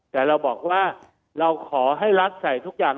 แต่เราบอกว่าเราขอให้รัฐใส่ทุกอย่าง